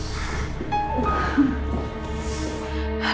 nanti lah mbak